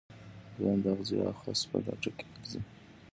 دویم د اغزیو او خس په لټه کې ګرځي.